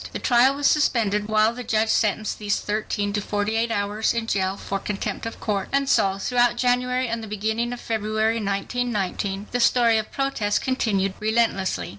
The trial was suspended while the judge sentenced these thirteen to "forty eight hours in jail for contempt of court." And so, throughout January and the beginning of February, 1919, the story of protest continued relentlessly.